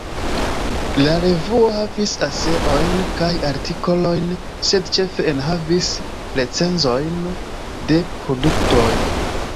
La revuo havis eseojn kaj artikolojn, sed ĉefe enhavis recenzojn de produktoj.